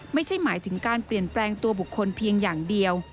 ไม่ใช่หมายถึงการเปลี่ยนแปลงตัวบุคคลเพียงอย่างเดียว